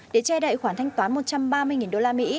để che đậy khoản thanh toán một trăm ba mươi đô la mỹ